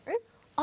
あ！